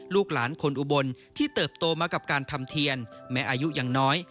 ลูกหลานคนอุบลที่เติบโตมากับการทำเทียนแม้อายุยังน้อย